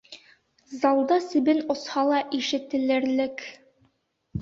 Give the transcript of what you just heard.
Залда себен осһа ла ишетелерлек.